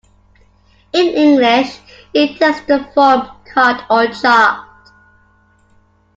In English it takes the form "card" or "chart".